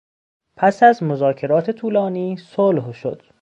پس از مذاکرات طولانی صلح شد.